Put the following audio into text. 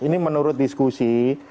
ini menurut diskusi